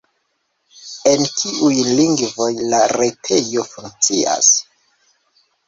En kiuj lingvoj la retejo funkcias?